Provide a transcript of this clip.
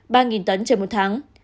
ba tấn trên một tháng